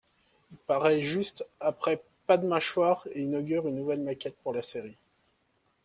Il paraît juste après Pas-de-Mâchoire et inaugure une nouvelle maquette pour la série.